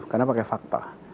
karena pakai fakta